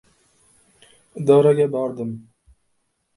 — Idoraga bordim...